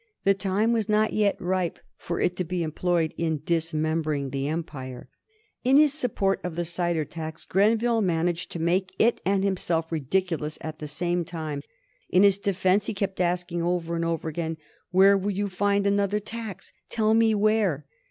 The time was not yet ripe for it to be employed in dismembering the empire. In his support of the cider tax Grenville managed to make it and himself ridiculous at the same time. In his defence he kept asking, over and over again, "Where will you find another tax? tell me where."